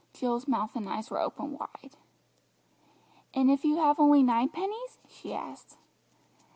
Jill's mouth and eyes were open wide. "And if you have only nine pennies?" she asked.